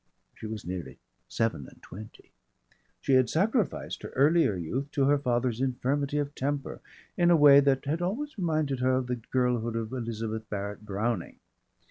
She was nearly seven and twenty. She had sacrificed her earlier youth to her father's infirmity of temper in a way that had always reminded her of the girlhood of Elizabeth Barrett Browning.